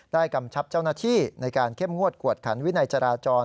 กำชับเจ้าหน้าที่ในการเข้มงวดกวดขันวินัยจราจร